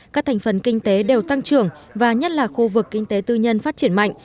các thành phần kinh tế đều tăng trưởng và nhất là khu vực kinh tế tư nhân phát triển mạnh